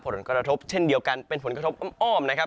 ผลกระทบเช่นเดียวกันเป็นผลกระทบอ้อมนะครับ